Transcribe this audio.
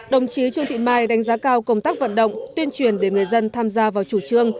đồng chí trương thị mai đánh giá cao công tác vận động tuyên truyền để người dân tham gia vào chủ trương